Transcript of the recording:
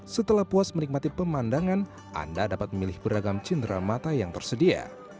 setelah puas menikmati pemandangan anda dapat memilih beragam cindera mata yang tersedia